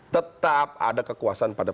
tetap ada kekuasaan pada